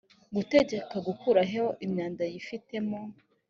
gutegeka gukuraho imyanda yifitemo